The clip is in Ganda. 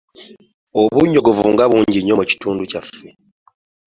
Obunyogovu nga bungi nnyo mu kitundu kyaffe.